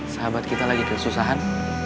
sahabat kita lagi ada susahan